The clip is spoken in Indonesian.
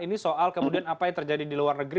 ini soal kemudian apa yang terjadi di luar negeri